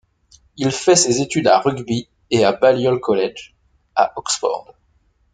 Il fait ses études à Rugby et à Balliol College, à Oxford.